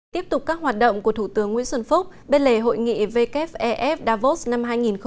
tiếp tục các hoạt động của thủ tướng nguyễn xuân phúc bên lề hội nghị wef davos năm hai nghìn một mươi chín